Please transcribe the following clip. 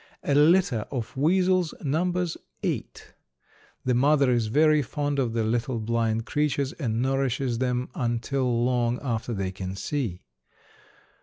A litter of weasels numbers eight. The mother is very fond of the little blind creatures and nourishes them until long after they can see.